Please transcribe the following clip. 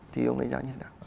thì ông đánh giá như thế nào